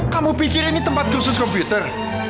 kamu pikirin ini tempat khusus komputer